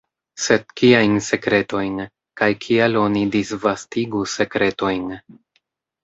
Sed kiajn sekretojn, kaj kial oni disvastigu sekretojn?